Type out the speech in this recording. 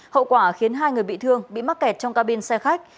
hậu quả khiến hai người bị thương bị mắc kẹt trong ca bin xe khách